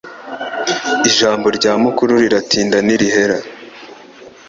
Ijambo rya mukuru riratinda ntirihera